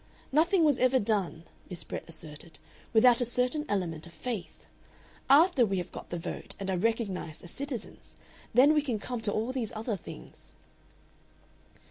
"Nothing was ever done," Miss Brett asserted, "without a certain element of Faith. After we have got the Vote and are recognized as citizens, then we can come to all these other things."